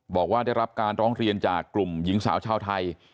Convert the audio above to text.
บอกว่าได้รับการร้องเรียนจากกลุ่มหญิงสาวชาวไทย